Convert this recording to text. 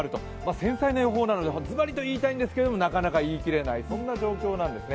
繊細な予報なので、ズバリと言いたいんですけども、なかなか言い切れない、そんな状況なんですね。